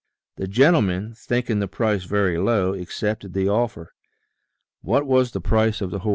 The gentle man, thinking the price very low, accepted the offer. What was the price of the horse